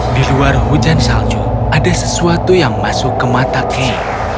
di luar hujan salju ada sesuatu yang masuk ke mata kiri